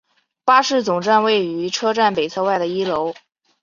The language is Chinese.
巴士总站位于车站北侧外的一楼。